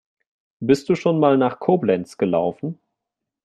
Bist du schon mal nach Koblenz gelaufen?